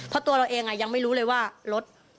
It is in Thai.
เพราะตัวเราเองยังไม่รู้เลยว่ารถ